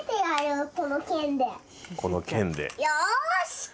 よし。